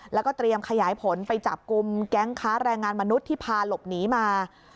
แล้วก็เตรียมขยายผลไปจับกลุ่มแก๊งค้าแรงงานมนุษย์ที่พาหลบหนีมา